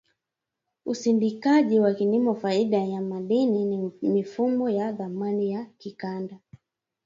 usindikaji wa kilimo faida ya madini na mifumo ya thamani ya kikanda